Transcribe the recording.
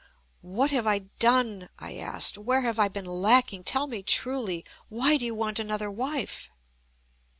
"What have I done?" I asked. "Where have I been lacking? Tell me truly. Why do you want another wife?"